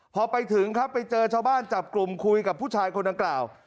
พอไปถึงครับไปเจอชาวบ้านจับกลุ่มคุยกับผู้ชายคนดังกล่าว